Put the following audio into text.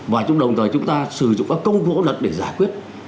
và đồng thời chúng ta sử dụng các công cụ luật để giải quyết